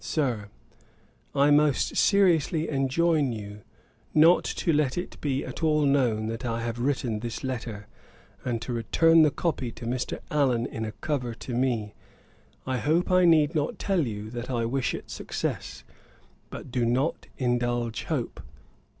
'SIR, 'I most seriously enjoin you not to let it be at all known that I have written this letter, and to return the copy to Mr. Allen in a cover to me. I hope I need not tell you, that I wish it success. But do not indulge hope.